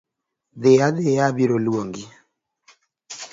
Dhi adhia abiro luongi.